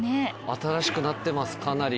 新しくなってますかなり。